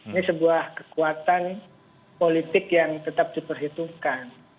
ini sebuah kekuatan politik yang tetap diperhitungkan